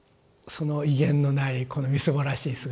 その威厳のないこのみすぼらしい姿。